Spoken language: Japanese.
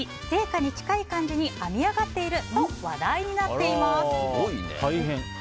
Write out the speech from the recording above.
生花に近い感じに編み上がっていると話題になっています。